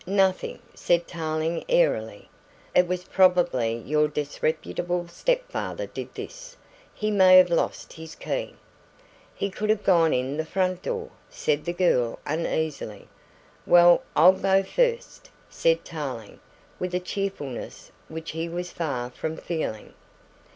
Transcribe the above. "Nothing," said Tarling airily. "It was probably your disreputable step father did this. He may have lost his key." "He could have gone in the front door," said the girl uneasily. "Well, I'll go first," said Tarling with a cheerfulness which he was far from feeling.